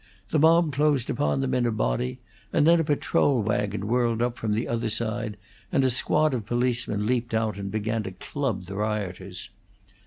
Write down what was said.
The mob closed upon them in a body, and then a patrol wagon whirled up from the other side, and a squad of policemen leaped out and began to club the rioters.